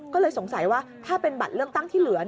ก็เลยสงสัยว่าถ้าเป็นบัตรเลือกตั้งที่เหลือ